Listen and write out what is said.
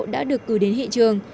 được cử đến hệ trường